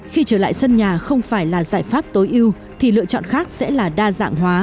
khi trở lại sân nhà không phải là giải pháp tối ưu thì lựa chọn khác sẽ là đa dạng hóa